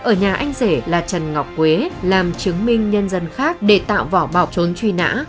ở nhà anh rể là trần ngọc quế làm chứng minh nhân dân khác để tạo vỏ bỏ trốn truy nã